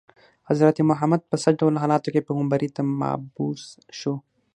حضرت محمد په څه ډول حالاتو کې پیغمبرۍ ته مبعوث شو.